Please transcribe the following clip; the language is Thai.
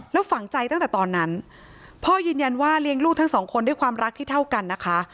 แล้วฝังใจตั้งแต่ตอนนั้นพ่อยืนยันว่าเลี้ยงลูกทั้งสองคนด้วยความรักที่เท่ากันนะคะ